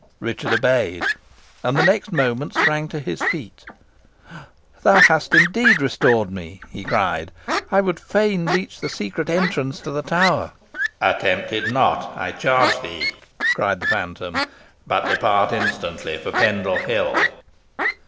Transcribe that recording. Richard obeyed, and the next moment sprang to his feet. "Thou hast indeed restored me!" he cried. "I would fain reach the secret entrance to the tower." "Attempt it not, I charge thee!" cried the phantom; "but depart instantly for Pendle Hill."